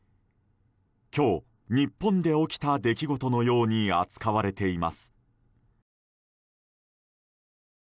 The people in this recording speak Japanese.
今日、日本で起きた出来事のように扱われています。